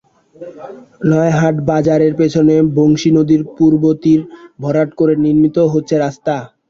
নয়ারহাট বাজারের পেছনে বংশী নদীর পূর্ব তীর ভরাট করে নির্মিত হচ্ছে রাস্তা।